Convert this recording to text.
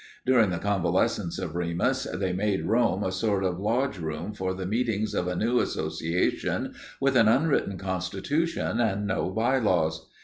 During the convalescence of Remus they made Rome a sort of lodge room for the meetings of a new association with an unwritten constitution and no by laws.